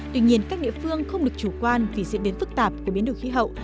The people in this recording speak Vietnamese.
tuy nhiên các địa phương không được chủ quan vì diễn biến phức tạp của biến đổi khí hậu